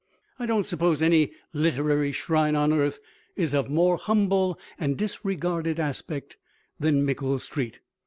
I don't suppose any literary shrine on earth is of more humble and disregarded aspect than Mickle Street.